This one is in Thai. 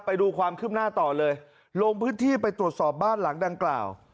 ไปดูความคืบหน้าต่อเลยลงพื้นที่ไปตรวจสอบบ้านหลังดังกล่าว